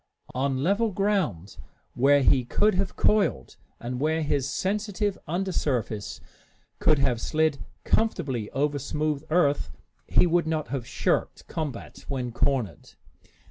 On level ground, where he could have coiled, and where his sensitive under surface could have slid comfortably over smooth earth, he would not have shirked combat when cornered.